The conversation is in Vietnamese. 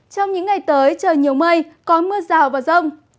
trong những ngày tới trời nhiều mây có mưa rào và rông